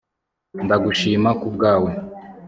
ndagushimira kubwawe